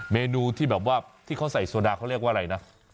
เลือกสรรเยอะมากมาย